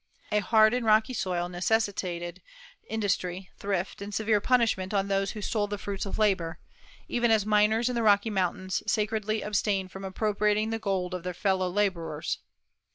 A hard and rocky soil necessitated industry, thrift, and severe punishment on those who stole the fruits of labor, even as miners in the Rocky Mountains sacredly abstain from appropriating the gold of their fellow laborers.